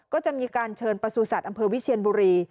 ก็จะมีการเชิญประสูจัตว์อำเภอวิเชียนบุรี